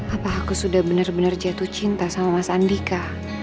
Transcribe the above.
apa aku sudah benar benar jatuh cinta sama mas andika